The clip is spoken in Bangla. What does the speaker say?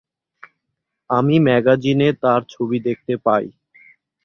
আমি ম্যাগাজিনে তার ছবি দেখতে পাই।